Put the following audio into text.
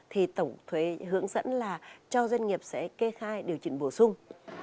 thì tổng thuế hướng dẫn là cho doanh nghiệp sẽ kê khai điều chỉnh bổ sung